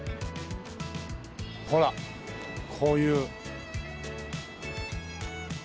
ほらこういう。